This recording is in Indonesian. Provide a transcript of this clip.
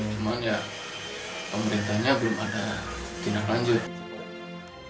cuman ya pemerintahnya belum ada tindak lanjut